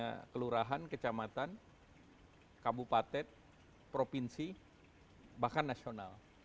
hanya kelurahan kecamatan kabupaten provinsi bahkan nasional